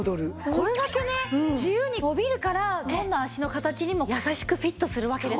これだけね自由に伸びるからどんな足の形にも優しくフィットするわけですね。